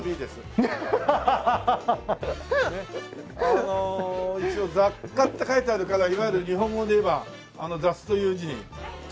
あの一応ザッカって書いてあるからいわゆる日本語で言えばあの「雑」という字に貨幣の「貨」？